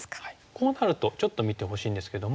こうなるとちょっと見てほしいんですけども。